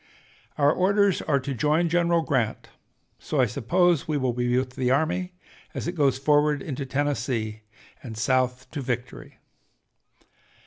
Our orders are to 'join General Grant,' so I suppose we will be with the army as it goes forward into Tennessee and South to victory.